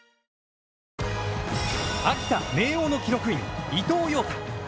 秋田・明桜の記録員、伊藤耀太。